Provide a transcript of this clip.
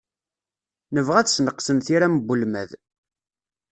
Nebɣa ad sneqsen tiram n ulmad.